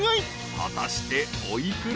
［果たしてお幾ら？］